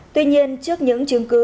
tuy nhiên trước những chứng cứ